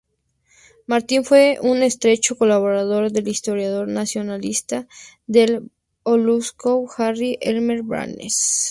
Martin fue un estrecho colaborador del historiador negacionista del Holocausto Harry Elmer Barnes.